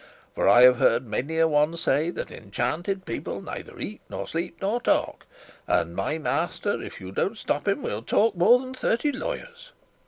For I have heard many a one say that enchanted people neither eat, nor sleep, nor talk; and my master, if you don't stop him, will talk more than thirty lawyers."